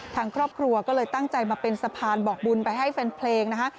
ทางครอบครัวก็เลยตั้งใจมาเป็นสะพานบอกบุญไปให้แฟนเพลงนะฮะ